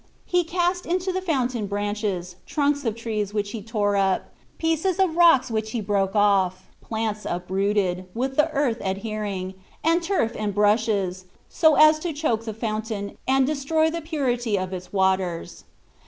He cast into the fountain branches, trunks of trees which he tore up, pieces of rocks which he broke off, plants uprooted, with the earth adhering, and turf and brushes, so as to choke the fountain, and destroy the purity of its waters.